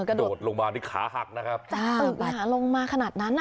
กระโดดลงมาที่ขาหักนะครับอืมหาลงมาขนาดนั้นอ่ะ